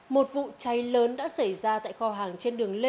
một vụ cháy lớn đã xảy ra tại kho hàng trên đường lê